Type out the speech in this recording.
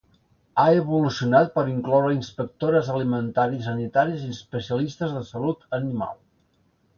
Ha evolucionat per incloure inspectores alimentaris sanitaris i especialistes de salut animal.